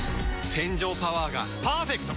洗浄パワーがパーフェクト！